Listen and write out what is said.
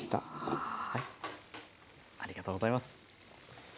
ありがとうございます。